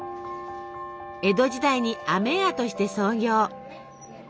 江戸時代に飴屋として創業。